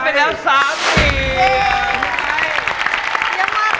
เยี่ยมมากค่ะ